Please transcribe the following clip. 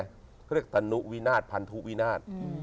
ถึงก็เรียกตาเนทูวินาทพันทูวินาท